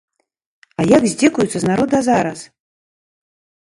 А як здзекуюцца з народа зараз?